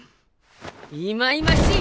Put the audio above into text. いまいましい！